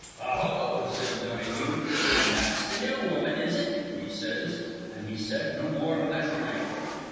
'A ho,' says Donahue. 'An' that's th' new woman, is it?' he says. An' he said no more that night.